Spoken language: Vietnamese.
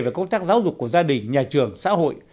về công tác giáo dục của gia đình nhà trường xã hội